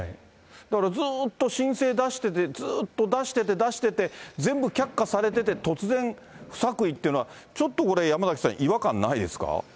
だから、ずっと申請出してて、ずっと出してて出してて、全部却下されてて、突然、不作為っていうのは、ちょっとこれ、山崎さん、違和感ないですか。